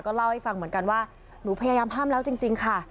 เล่าให้ฟังเหมือนกันว่าหนูพยายามห้ามแล้วจริงค่ะ